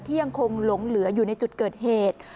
ยังคงหลงเหลืออยู่ในจุดเกิดเหตุ